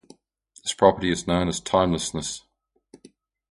This property is known as timelessness.